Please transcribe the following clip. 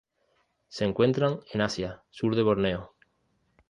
Se encuentran en Asia: sur de Borneo.